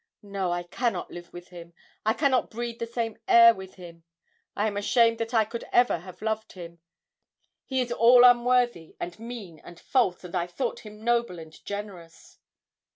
No, I cannot live with him. I could not breathe the same air with him. I am ashamed that I could ever have loved him. He is all unworthy, and mean, and false, and I thought him noble and generous!'